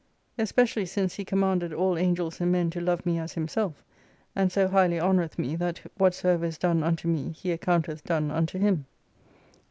Especially since He commanded aU Angels and Men to love me as Himself : and so highly honoreth me, that whatsoever is done unto me, He accounteth done unto Him.